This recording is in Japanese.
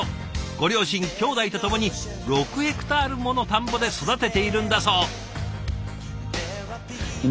ご両親きょうだいと共に６ヘクタールもの田んぼで育てているんだそう。